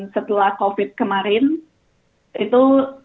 setelah covid kemarin itu tiga lima ratus